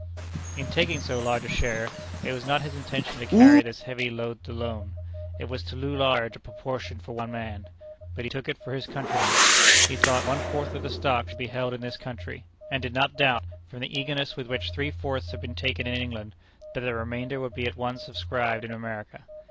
In taking so large a share, it was not his intention to carry this heavy load alone. It was too large a proportion for one man. But he took it for his countrymen. He thought one fourth of the stock should be held in this country, and did not doubt, from the eagerness with which three fourths had been taken in England, that the remainder would be at once subscribed in America.